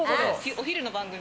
お昼の番組。